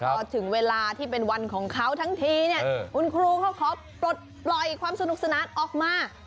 พอถึงเวลาที่เป็นวันของเขาทั้งทีเนี่ยคุณครูเขาขอปลดปล่อยความสนุกสนานออกมา